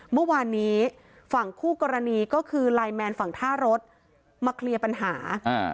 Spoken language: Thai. เมื่อวานนี้ฝั่งคู่กรณีก็คือไลน์แมนฝั่งท่ารถมาเคลียร์ปัญหาอ่า